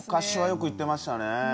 昔はよく行ってましたね。